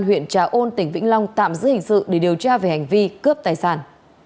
huyện trà ôn tỉnh vĩnh long tạm giữ hình sự để điều tra về hành vi cướp tài sản